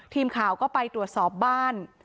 ทีมข่าวก็ไปตรวจสอบบ้าน